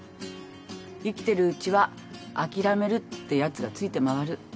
生きてるうちは諦めるってやつが付いて回る。